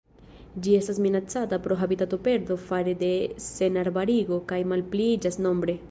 Ĝi estas minacata pro habitatoperdo fare de senarbarigo kaj malpliiĝas nombre.